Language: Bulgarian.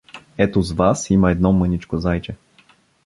Ето с вас има едно мъничко зайче.